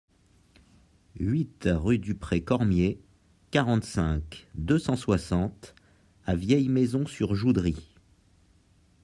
huit rue du Pré Cormier, quarante-cinq, deux cent soixante à Vieilles-Maisons-sur-Joudry